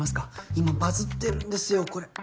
今バズってるんですよこれ。